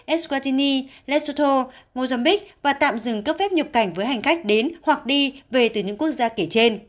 eswatini lesotho mozambique và tạm dừng các phép nhập cảnh với hành khách đến hoặc đi về từ những quốc gia kể trên